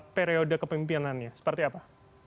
periode kepimpinannya seperti apa